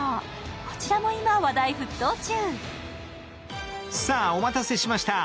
こちらも今、話題沸騰中。